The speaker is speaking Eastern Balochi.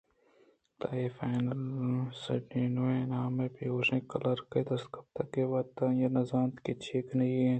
پدا اے فائل sardonu نامیں بے ہوشیں کلرکے ءِ دست ءَ کپیت کہ آوت نہ زانت کہ چے کنگی اِنت